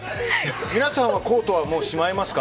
皆さんはコートはもうしまいますか？